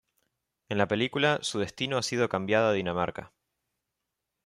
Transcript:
En la película, su destino ha sido cambiado a Dinamarca.